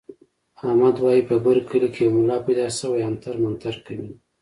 احمد وايي په بر کلي کې یو ملا پیدا شوی عنتر منتر کوي.